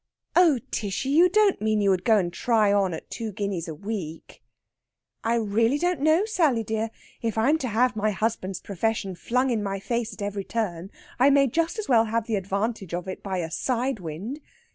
"Oh, Tishy! You don't mean you would go and try on at two guineas a week?" "I really don't know, Sally dear. If I'm to have my husband's profession flung in my face at every turn, I may just as well have the advantage of it by a side wind.